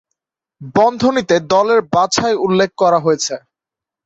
বন্ধনীতে দলের বাছাই উল্লেখ করা হয়েছে।